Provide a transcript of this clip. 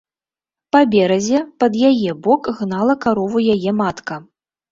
Па беразе, пад яе бок, гнала карову яе матка.